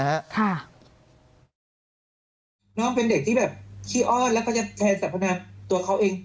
น้องเป็นเด็กที่แบบขี้อ้อนแล้วก็จะแทนสรรพนาตัวเขาเอง